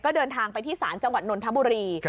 เดินทางไปที่ศาลจังหวัดนนทบุรี